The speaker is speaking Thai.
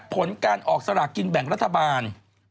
ผลการออกสลากกินแบ่งรัฐบาล